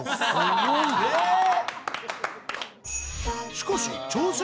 ［しかし挑戦］